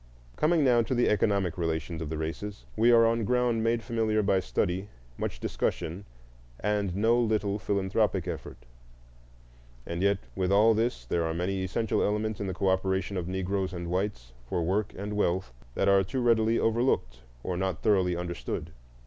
Coming now to the economic relations of the races, we are on ground made familiar by study, much discussion, and no little philanthropic effort. And yet with all this there are many essential elements in the cooperation of Negroes and whites for work and wealth that are too readily overlooked or not thoroughly understood.